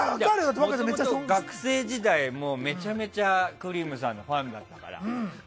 もともと学生時代めちゃめちゃくりぃむさんのファンだったから。